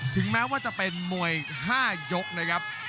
ถึงแม้ว่าจะเป็นมวย๕ยกนะครับ